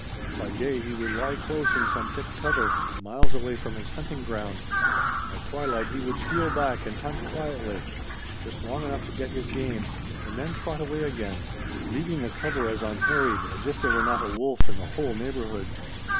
By day he would lie close in some thick cover, miles away from his hunting ground. At twilight he would steal back and hunt quietly, just long enough to get his game, and then trot away again, leaving the cover as unharried as if there were not a wolf in the whole neighborhood.